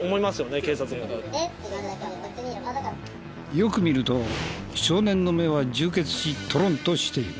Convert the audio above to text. よく見ると少年の目は充血しトロンとしている。